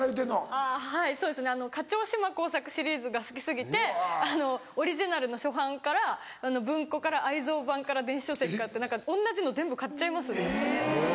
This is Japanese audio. あぁはいそうですね。『課長島耕作』シリーズが好き過ぎてオリジナルの初版から文庫から愛蔵版から電子書籍からって何か同じの全部買っちゃいます。